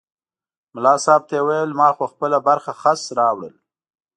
ملا صاحب ته یې وویل ما خو خپله برخه خس راوړل.